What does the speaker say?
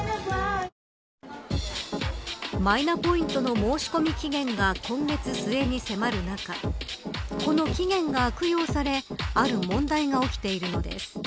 マイナポイントの申し込み期限が今月末に迫る中この期限が悪用されある問題が起きているのです。